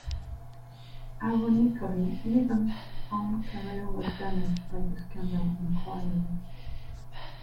Ironically, Evans's own career was damaged by the scandal inquiry.